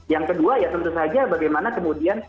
yang kedua ya tentu saja bagaimana kemudian